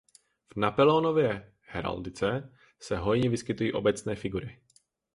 V Napoleonově heraldice se hojně vyskytují obecné figury.